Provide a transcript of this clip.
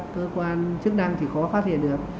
cơ quan chức năng thì khó phát hiện được